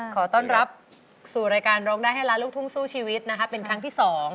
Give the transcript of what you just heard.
ขอต้อนรับสู่รายการร้องได้ให้ล้านลูกทุ่งสู้ชีวิตนะคะเป็นครั้งที่๒